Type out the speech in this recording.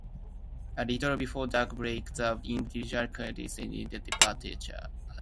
A little before daybreak, the invisible guests take their departure.